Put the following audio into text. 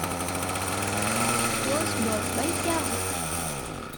It was bought by Yahoo!